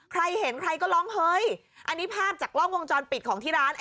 ใครเห็นใครก็ร้องเฮ้ยอันนี้ภาพจากกล้องวงจรปิดของที่ร้าน